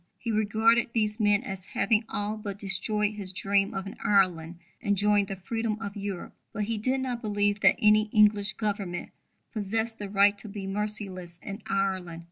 He regarded these men as having all but destroyed his dream of an Ireland enjoying the freedom of Europe. But he did not believe that any English Government possessed the right to be merciless in Ireland.